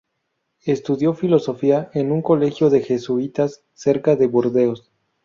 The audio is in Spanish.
Estudió Filosofía en un colegio de jesuitas cerca de Burdeos.